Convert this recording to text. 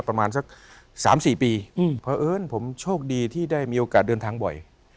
ประมาณสัก๓๔ปีเพราะเอิญผมโชคดีที่ได้มีโอกาสเดินทางบ่อย